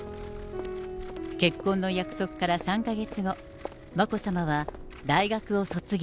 結婚の約束から３か月後、眞子さまは大学を卒業。